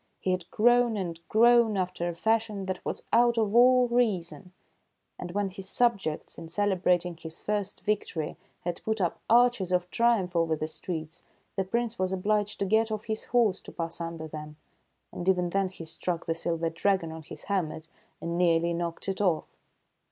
He had grown and grown after a fashion that was out of all reason ; and when his subjects, in celebrating his first victory, had put up arches of triumph over the streets, the Prince was obliged to get off his horse to pass under them. And even then he struck the silver dragon on his helmet, and nearly knocked it off.